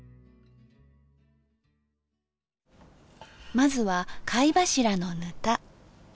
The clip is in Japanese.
まずは貝柱のぬた。